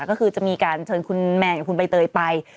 ก็คือจะมีการเชิญคุณแมนกับคุณใบเตยไป